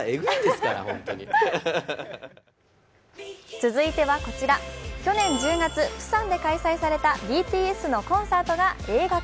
続いてはこちら、去年１０月、プサンで開催されたＢＴＳのコンサートが映画化。